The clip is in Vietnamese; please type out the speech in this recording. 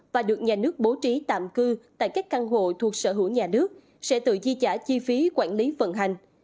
và được nhà nước bố trí tạm cư tại các căn hộ thuộc sở hữu nhà nước sẽ tự chi trả chi phí quản lý vận hành